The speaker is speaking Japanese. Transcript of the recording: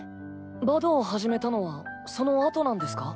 バドを始めたのはその後なんですか？